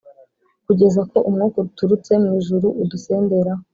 kugeza ko umwuka uturutse mu ijuru udusenderaho.